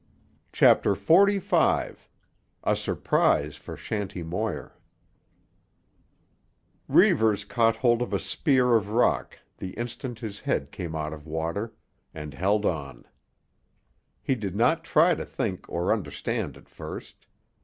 CHAPTER XLV—A SURPRISE FOR SHANTY MOIR Reivers caught hold of a spear of rock the instant his head came out of water, and held on. He did not try to think or understand at first.